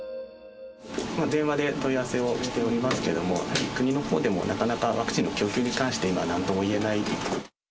電話で問い合わせをしておりますけれども、やはり国のほうでも、なかなかワクチンの供給に関して、今なんとも言えない。